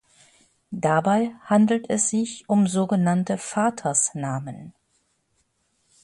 Dabei handelt es sich um sogenannte Vatersnamen.